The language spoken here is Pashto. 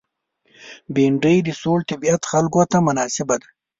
بېنډۍ د سوړ طبیعت خلکو ته مناسبه ده